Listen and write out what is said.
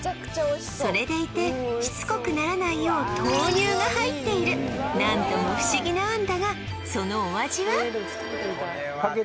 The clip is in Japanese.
それでいてしつこくならないよう豆乳が入っている何とも不思議なあんだがそのお味は？